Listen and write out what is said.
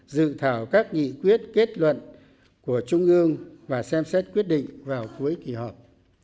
dự thảo các nghị quyết kết luận của trung ương và xem xét quyết định vào cuối kỳ họp